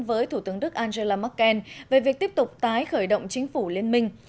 với thủ tướng đức angela merkel về việc tiếp tục tái khởi động chính phủ liên minh